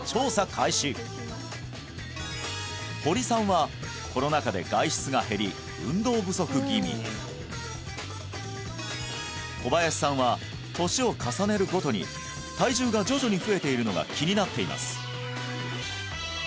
開始堀さんはコロナ禍で外出が減り運動不足気味小林さんは年を重ねるごとに体重が徐々に増えているのが気になっています